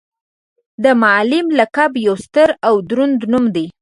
د معلم لقب یو ستر او دروند نوم دی.